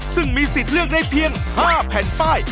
ซึ่งมีสิทธิ์เลือกได้เพียง๕แผ่นป้าย